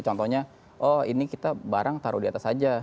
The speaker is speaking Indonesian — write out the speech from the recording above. contohnya oh ini kita barang taruh di atas saja